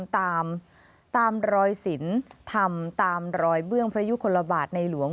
ทำตามรอยเบื้องพระยุคลบาทในหลวง